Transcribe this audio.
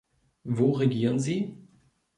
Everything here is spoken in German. Wo regieren Sie?